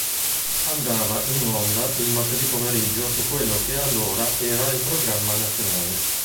Andava in onda il martedì pomeriggio su quello che allora era il programma nazionale.